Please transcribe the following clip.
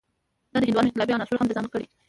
او د هندوانو انقلابي عناصر هم د ځان کړي.